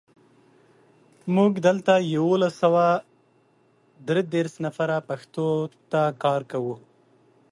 موږ دلته یولس سوه درودېرش نفره پښتو ته کار کوو.